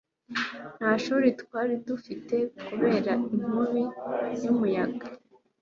nta shuri twari dufite kubera inkubi y'umuyaga